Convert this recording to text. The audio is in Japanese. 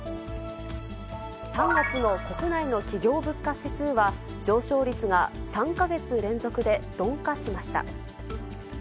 ３月の国内の企業物価指数は、上昇率が３か月連続で鈍化しました。